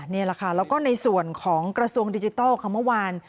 นี่แหละค่ะแล้วก็ในส่วนของกระทรวงดิจิทัลของเมื่อวาน